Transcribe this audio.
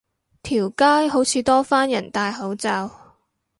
條街好似多返人戴口罩